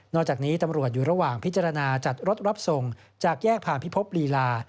จากนี้ตำรวจอยู่ระหว่างพิจารณาจัดรถรับส่งจากแยกผ่านพิภพลีลา